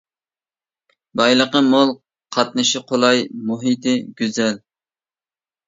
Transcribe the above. بايلىقى مول، قاتنىشى قولاي، مۇھىتى گۈزەل.